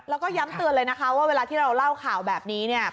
แล้วก็ย้ำเตือนเลยนะคะว่าเวลาที่เราเล่าข่าวแบบนี้เนี่ย